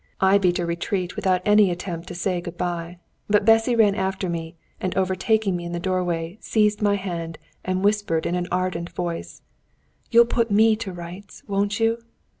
I beat a retreat without any attempt to say good bye. But Bessy ran after me, and, overtaking me in the doorway, seized my hand, and whispered in an ardent voice, "You'll put me to rights, won't you?"